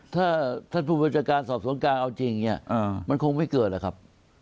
ถ้าท่านผู้บัญชาการสอบสวนกลางเอาจริงเนี่ยมันคงไม่เกิดหรอกครับ